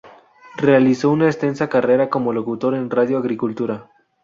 Realizó una extensa carrera como locutor en Radio Agricultura.